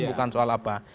bukan soal apa